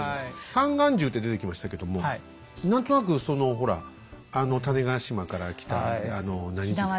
三眼銃って出てきましたけども何となくそのほら種子島から来たあの何銃だっけ。